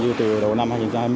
như từ đầu năm hai nghìn hai mươi